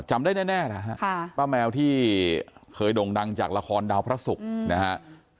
จำได้แน่นะฮะป้าแมวที่เคยด่งดังจากละครดาวพระศุกร์นะฮะ